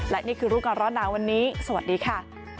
และนี่คือรู้ก่อนร้อนหนาวันนี้สวัสดีค่ะ